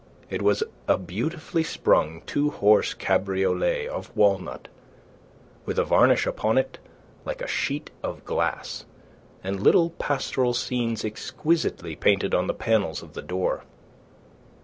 It was a beautifully sprung two horse cabriolet of walnut, with a varnish upon it like a sheet of glass and little pastoral scenes exquisitely painted on the panels of the door.